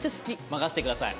任せてください。